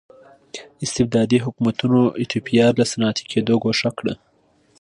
استبدادي حکومتونو ایتوپیا له صنعتي کېدو ګوښه کړه.